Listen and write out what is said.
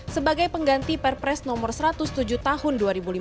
sebagai pengganti perpres nomor satu ratus tujuh tahun dua ribu lima belas